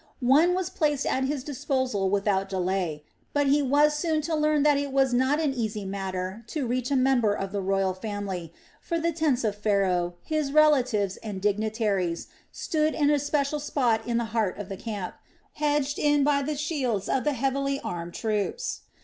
One was placed at his disposal without delay. But he was soon to learn that it would not be an easy matter to reach a member of the royal family; for the tents of Pharaoh, his relatives, and dignitaries stood in a special spot in the heart of the camp, hedged in by the shields of the heavily armed troops.